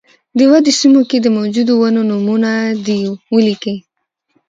د ودې سیمو کې د موجودو ونو نومونه دې ولیکي.